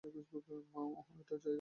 মাও এটাই চাইতেন।